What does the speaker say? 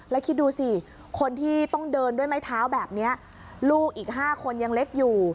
แล้วคิดดูสิคนที่ต้องเดินด้วยไม้เท้าแบบนี้ลูกอีก๕คนยังเล็กอยู่